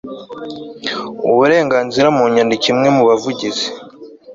uburenganzira mu nyandiko umwe mu bavugizi